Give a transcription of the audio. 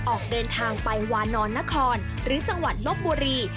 ออกเดินทางไปวานอนนครหรือจังหวัดลบบุรี